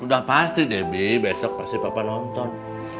sudah pasti debi besok pasti papa nonton